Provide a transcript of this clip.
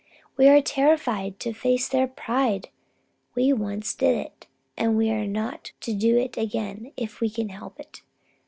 We are terrified to face their pride. We once did it, and we are not to do it again, if we can help it!